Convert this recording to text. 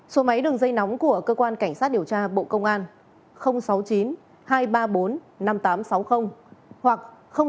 số máy đường dây nóng của cơ quan cảnh sát điều tra bộ công an sáu mươi chín hai trăm ba mươi bốn năm nghìn tám trăm sáu mươi hoặc sáu mươi chín hai trăm ba mươi hai